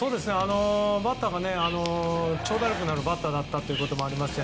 バッターが長打力のあるバッターだったということもありまして